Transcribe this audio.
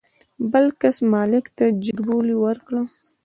بل کس مالک ته جګ بولي ورکړه.